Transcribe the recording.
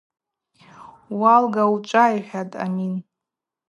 Уалга, учӏва, – йхӏватӏ Амин.